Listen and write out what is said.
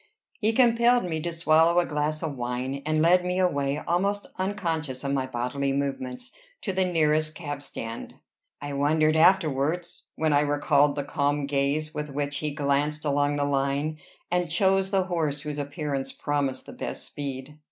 He compelled me to swallow a glass of wine, and led me away, almost unconscious of my bodily movements, to the nearest cab stand. I wondered afterwards, when I recalled the calm gaze with which he glanced along the line, and chose the horse whose appearance promised the best speed.